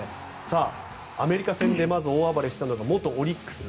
アメリカ戦でまず大暴れしたのが元オリックス